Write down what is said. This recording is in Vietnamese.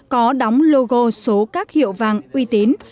có đóng logo số các hiệu vàng uy tín